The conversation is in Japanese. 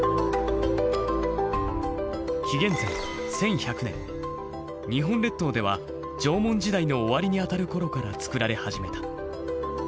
紀元前１１００年日本列島では縄文時代の終わりにあたる頃から造られ始めた。